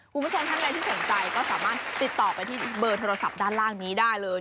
คุณผู้ชมท่านใดที่สนใจก็สามารถติดต่อไปที่เบอร์โทรศัพท์ด้านล่างนี้ได้เลย